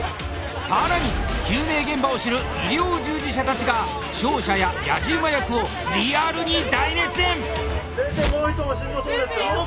更に救命現場を知る医療従事者たちが負傷者やヤジウマ役をリアルに大熱演！